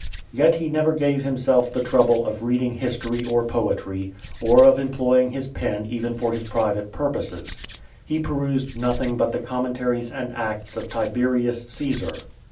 Yet he never gave himself the trouble of reading history or poetry, or of employing his pen even for his private purposes. He perused nothing but the Commentaries and Acts of Tiberius Caesar.